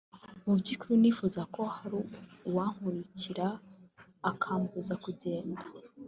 mu by’ukuri nifuzaga ko hari uwankurikira akambuza kugenda